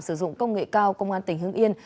sử dụng công nghệ cao công an tỉnh hưng yên